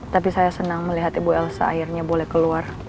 tapi saya senang melihat ibu elsa akhirnya boleh keluar